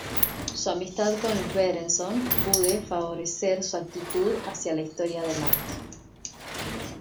Su amistad con los Berenson pude favorecer su actitud hacia la historia del arte.